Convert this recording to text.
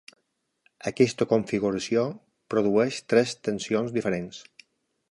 Aquesta configuració produeix tres tensions diferents.